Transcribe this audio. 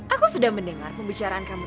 aku sudah mendengar pembicaraan kamu